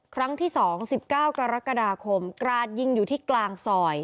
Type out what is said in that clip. ครั้งที่๒๑๙กรกฎาคมกราดยิงอยู่ที่กลางซอย